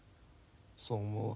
そう思うわ。